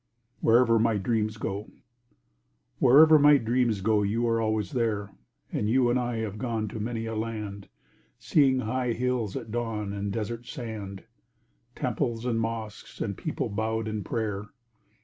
[WHEREVER MY DREAMS GO] Wherever my dreams go, you are always there, And you and I have gone to many a land, Seeing high hills at dawn and desert sand, Temples and mosques and people bowed in prayer.